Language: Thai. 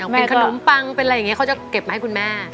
เป็นขนมปังเป็นอะไรอย่างนี้เขาจะเก็บมาให้คุณแม่